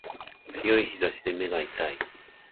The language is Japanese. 強い日差しで目が痛い